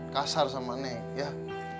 kasar sama neng yah